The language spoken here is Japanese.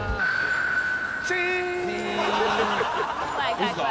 いいですか？